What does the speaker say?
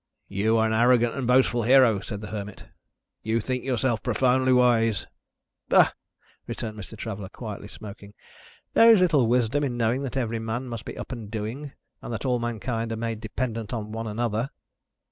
"You are an arrogant and boastful hero," said the Hermit. "You think yourself profoundly wise." "Bah!" returned Mr. Traveller, quietly smoking. "There is little wisdom in knowing that every man must be up and doing, and that all mankind are made dependent on one another."